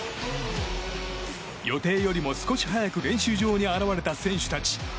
予定よりも少し早く練習場に現れた選手たち。